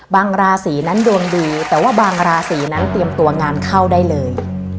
ราศีนั้นดวงดีแต่ว่าบางราศีนั้นเตรียมตัวงานเข้าได้เลย